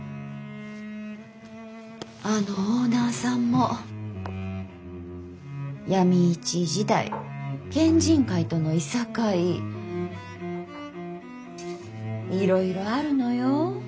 あのオーナーさんも闇市時代県人会とのいさかいいろいろあるのよ。